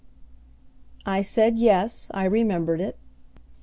I said, yes, I remembered it.